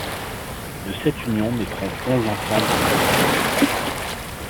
De cette union naîtront onze enfants dont quatre filles.